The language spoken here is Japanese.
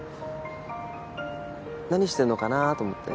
何してるのかなと思って。